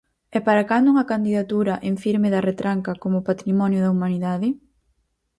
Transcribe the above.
E para cando unha candidatura en firme da Retranca como Patrimonio da Humanidade?